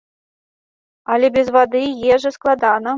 Але без вады і ежы складана.